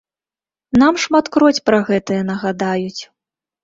Нам шматкроць пра гэтае нагадаюць.